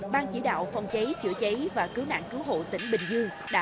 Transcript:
ban chỉ đạo phòng cháy chữa cháy và cứu nạn cứu hộ tỉnh bình dương đã